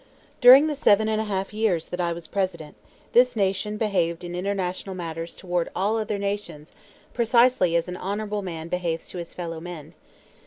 During the seven and a half years that I was President, this Nation behaved in international matters toward all other nations precisely as an honorable man behaves to his fellow men.